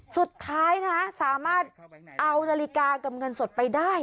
สุดท้ายนะสามารถเอานาฬิกากับเงินสดไปได้